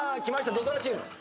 土ドラチーム。